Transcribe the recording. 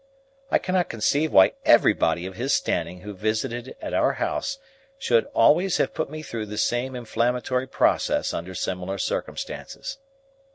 I cannot conceive why everybody of his standing who visited at our house should always have put me through the same inflammatory process under similar circumstances.